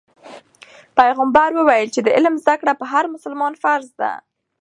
پیغمبر وویل چې د علم زده کړه په هر مسلمان فرض ده.